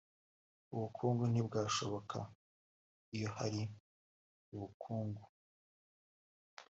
ubukungu ntibwashoboka … iyo hari ubukungu